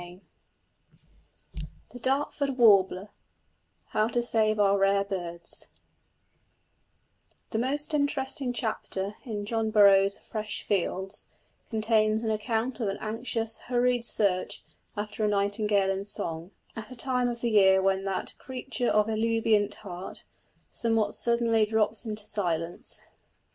CHAPTER XII THE DARTFORD WARBLER HOW TO SAVE OUR RARE BIRDS The most interesting chapter in John Burroughs' Fresh Fields contains an account of an anxious hurried search after a nightingale in song, at a time of the year when that "creature of ebullient heart" somewhat suddenly drops into silence.